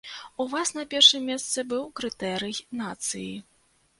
У вас на першым месцы быў крытэрый нацыі.